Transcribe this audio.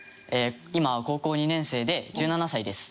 今は高校２年生で１７歳です。